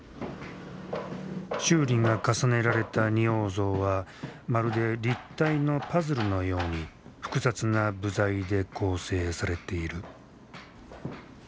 修理が重ねられた仁王像はまるで立体のパズルのように複雑な部材で構成されている。